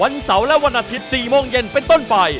เสาร์และวันอาทิตย์๔โมงเย็นเป็นต้นไป